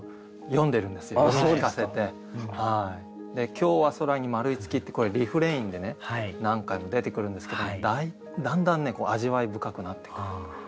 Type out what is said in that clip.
「きょうはそらにまるいつき」ってこれリフレインでね何回も出てくるんですけどだんだんね味わい深くなってくる。